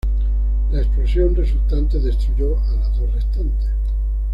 La explosión resultante destruyó a las dos restantes.